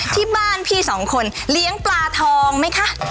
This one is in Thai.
ที่บ้านพี่สองคนเลี้ยงปลาทองไหมคะ